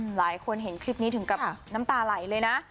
หลายคนเห็นคลิปนี้ถึงกับน้ำตาไหลเลยนะ